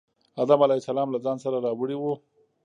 آدم علیه السلام له ځان سره راوړی و.